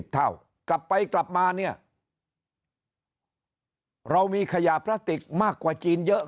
เท่ากลับไปกลับมาเนี่ยเรามีขยะพลาสติกมากกว่าจีนเยอะ